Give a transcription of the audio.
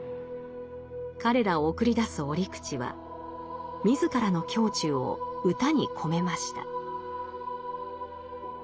彼らを送り出す折口は自らの胸中を歌に込めました。